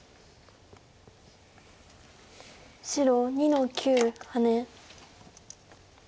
白２の九ハネ。